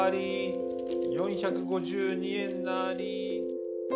４５２円なり。